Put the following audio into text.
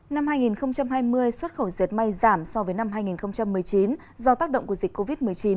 năm hai nghìn hai mươi xuất khẩu dệt may giảm so với năm hai nghìn một mươi chín do tác động của dịch covid một mươi chín